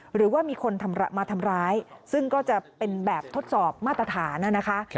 หรือว่ามีคนมาทำร้ายซึ่งก็จะเป็นแบบทดสอบมาตรฐานนะคะ